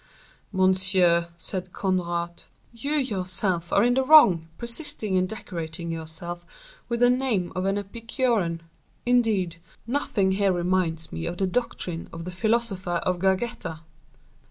"Monsieur," said Conrart, "you yourself are in the wrong persisting in decorating yourself with the name of an Epicurean; indeed, nothing here reminds me of the doctrine of the philosopher of Gargetta."